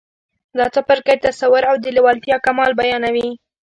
دا څپرکی تصور او د لېوالتیا کمال بيانوي.